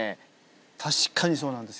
確かにそうなんですよね。